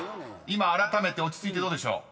今あらためて落ち着いてどうでしょう？］